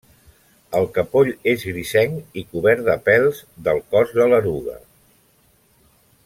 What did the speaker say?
El capoll és grisenc i cobert de pèls del cos de l'eruga.